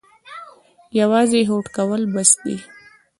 یوازې هوډ کول بس دي؟